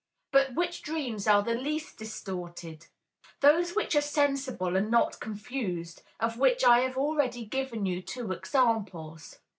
But which dreams are the least distorted? Those which are sensible and not confused, of which I have already given you two examples?